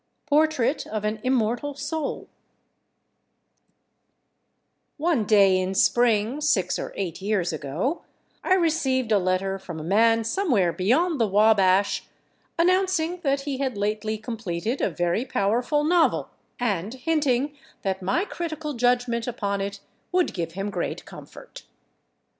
PORTRAIT OF AN IMMORTAL SOUL One day in Spring, six or eight years ago, I received a letter from a man somewhere beyond the Wabash announcing that he had lately completed a very powerful novel and hinting that my critical judgment upon it would give him great comfort.